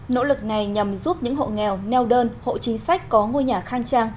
nỗ lực này nhằm giúp những hộ nghèo neo đơn hộ chính sách có ngôi nhà khang trang